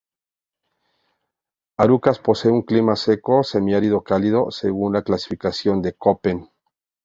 Arucas posee un clima seco semiárido cálido, según la clasificación de Köppen.